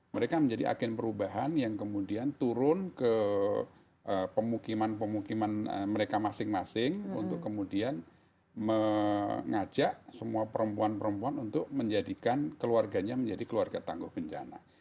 mereka menjadi agen perubahan yang kemudian turun ke pemukiman pemukiman mereka masing masing untuk kemudian mengajak semua perempuan perempuan untuk menjadikan keluarganya menjadi keluarga tangguh bencana